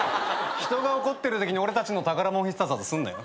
人が怒ってるときに俺たちの宝もん必殺技すんなよ。